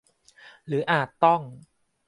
หรืออาจต้อง